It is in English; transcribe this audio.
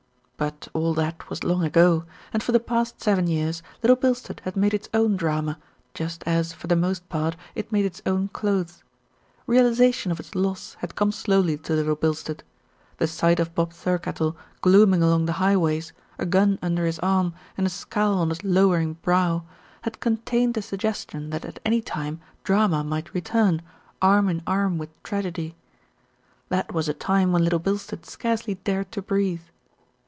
But all that was long ago, and for the past seven years Little Bilstead had made its own drama, just as, for the most part, it made its own clothes. Realisa tion of its loss had come slowly to Little Bilstead. The sight of Bob Thirkettle glooming along the highways, a gun under his arm and a scowl on his lowering brow, had contained a suggestion that at any time Drama might return, arm in arm with Tragedy. That was a time when Little Bilstead scarcely dared to breathe.